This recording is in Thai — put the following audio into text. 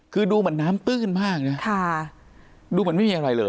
คือดูมันน้ำตื้นมากน่ะค่ะดูมันไม่มีอะไรเลย